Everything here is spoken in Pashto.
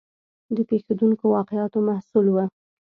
د پېښېدونکو واقعاتو محصول و.